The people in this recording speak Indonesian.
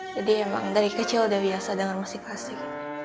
jadi emang dari kecil udah biasa dengar musik klasik